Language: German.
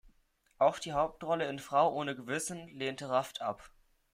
Auch die Hauptrolle in "Frau ohne Gewissen" lehnte Raft ab.